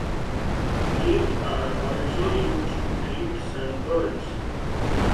Creams are also used to treat sun burns.